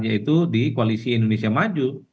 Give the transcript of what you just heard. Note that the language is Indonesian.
yaitu di koalisi indonesia maju